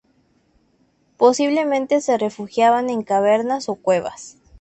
Posiblemente se refugiaban en cavernas o cuevas.